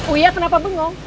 uya kenapa bengong